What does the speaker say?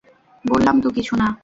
বললাম তো, কিছু না।